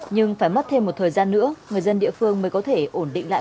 nhưng phải mất thêm một thời gian nữa người dân địa phương mới có thể ổn định lại